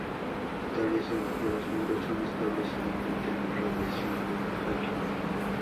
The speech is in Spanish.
Tales agujeros negros son estables y no emiten radiación de Hawking.